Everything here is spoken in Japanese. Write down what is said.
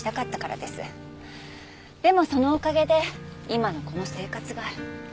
でもそのおかげで今のこの生活がある。